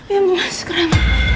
ya mas keren